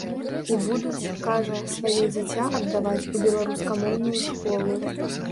І будуць, кажа, сваё дзіця аддаваць у беларускамоўную школу.